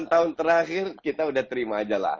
delapan tahun terakhir kita udah terima aja lah